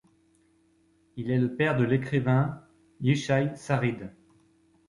Il est le père de l’écrivain Yishai Sarid.